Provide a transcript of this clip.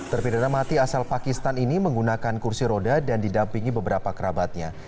terpidana mati asal pakistan ini menggunakan kursi roda dan didampingi beberapa kerabatnya